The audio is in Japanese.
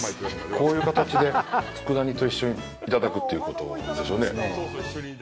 こういう形で佃煮と一緒にいただくということですよね。